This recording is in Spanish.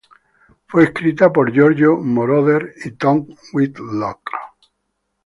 Fue escrita por Giorgio Moroder y Tom Whitlock.